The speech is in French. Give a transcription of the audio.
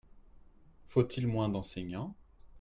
Faut-il moins d’enseignants ?